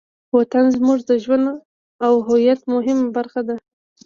وطن زموږ د ژوند او هویت مهمه برخه ده.